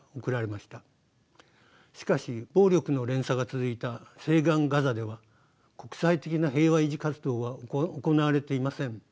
しかし暴力の連鎖が続いた西岸ガザでは国際的な平和維持活動は行われていません。